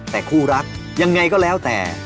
แต่คู่รักยังไงก็แล้วแต่